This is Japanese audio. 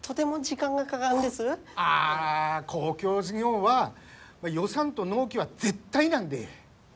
ああ公共事業は予算と納期は絶対なんで。